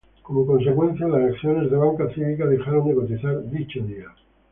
Como consecuencia, las acciones de Banca Cívica dejaron de cotizar dicho día.